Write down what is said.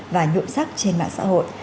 và nhuộm sắc trên mạng xã hội